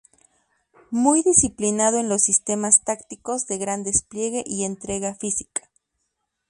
Muy disciplinado en los sistemas tácticos, de gran despliegue y entrega física.